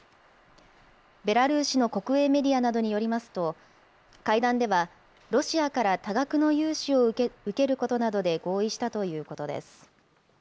ベラルーシの国営メディアなどによりますと、会談ではロシアから多額の融資を受けることなどで合意したということです。